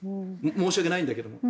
申し訳ないんだけれども。